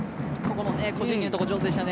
個人技のところ上手でしたね。